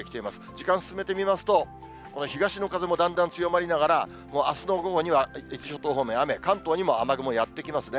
時間進めてみますと、東の風もだんだん強まりながら、あすの午後には伊豆諸島方面、雨、関東にも雨雲やって来ますね。